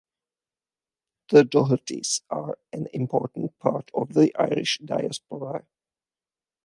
The Doherty's are an important part of the Irish diaspora.